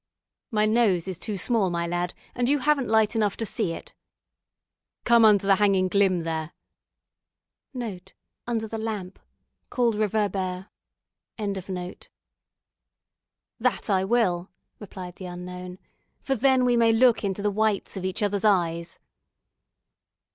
"My nose is too small, my lad, and you haven't light enough to see it." "Come under the 'hanging glim' there." Under the lamp, called reverbère. "That I will," replied the unknown, "for then we may look into the whites of each other's eyes."